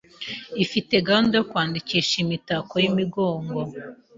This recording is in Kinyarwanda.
ifite gahunda yo kwandikisha iyi mitako y’imigongo